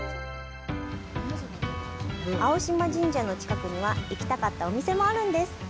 青島神社の近くには、行きたかったお店もあるんです。